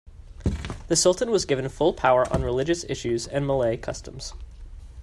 The Sultan was given full power on religious issues and Malay customs.